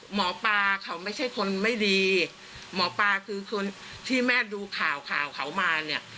หมอปลาเขาไม่ใช่คนไม่ดีหมอปลาคือคนที่แม่ดูข่าวข่าวเขามาเนี่ย